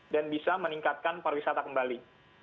dan bisa meningkatkan pariwisata kembali